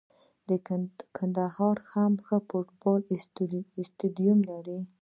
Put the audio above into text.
کندهار هم ښه فوټبال سټیډیم لري.